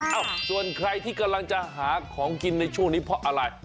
เอ้าส่วนใครที่กำลังจะหาของกินในช่วงนี้เพราะอะไร